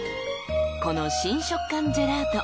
［この新食感ジェラート。